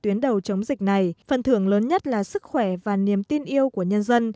tuyến đầu chống dịch này phần thưởng lớn nhất là sức khỏe và niềm tin yêu của nhân dân